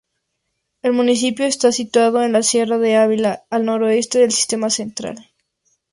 El municipio está situado en la Sierra de Ávila, al noroeste del Sistema Central.